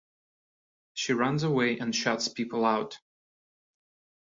She runs away and shuts people out.